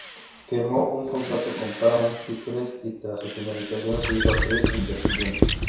Firmó un contrato con Paramount Pictures, y tras su finalización se hizo actriz independiente.